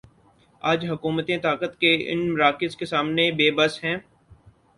آج حکومتیں طاقت کے ان مراکز کے سامنے بے بس ہیں۔